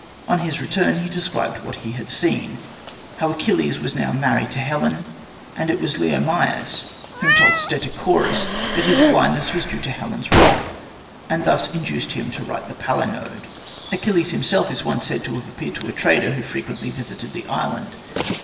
On his return he described what he had seen how that Achilles was now married to Helen; and it was Leonymus who told Stesichorus that his blindness was due to Helen's wrath, and thus induced him to write the Palinode. Achilles himself is once said to have appeared to a trader who frequently visited the island.